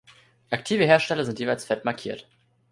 Aktive Hersteller sind jeweils fett markiert.